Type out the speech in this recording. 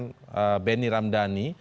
kami juga nanti menantikan benny ramdhani